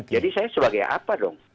jadi saya sebagai apa dong